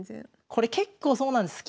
これ結構そうなんです。